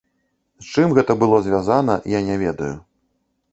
З чым гэта было звязана, я не ведаю.